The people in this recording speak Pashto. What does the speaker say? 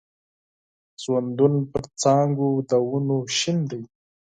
ژوندون پر څانګو د ونو شین دی